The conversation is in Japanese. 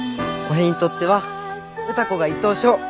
俺にとっては歌子が１等賞。